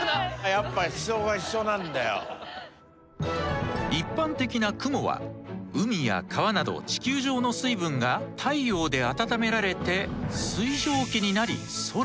やっぱり一般的な雲は海や川など地球上の水分が太陽で温められて水蒸気になり空へ。